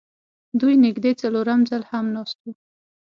دوی نږدې څلورم ځل هم ناست وو